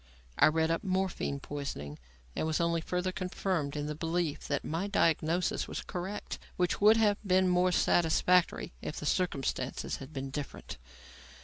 I read up morphine poisoning and was only further confirmed in the belief that my diagnosis was correct; which would have been more satisfactory if the circumstances had been different.